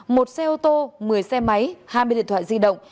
một xe ô tô một mươi xe máy hai mươi điện thoại di động